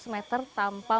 tiga ratus meter tanpa